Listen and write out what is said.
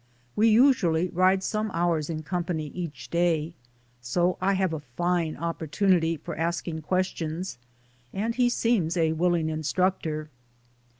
We usually ride some hours in company each day, so I have fine opportunities for asking questions, and he seems a willing instructor.